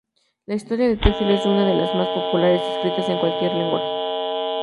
La historia de Teófilo es una de las más populares escritas en cualquier lenguaje.